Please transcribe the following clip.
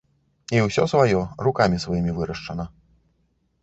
І ўсё сваё, рукамі сваімі вырашчана.